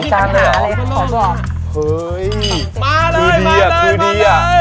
มาเลยมาเลยมาเลย